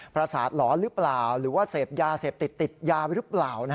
ประสาทหลอนหรือเปล่าหรือว่าเสพยาเสพติดติดยาหรือเปล่า